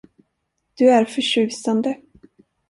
Du är förtjusande.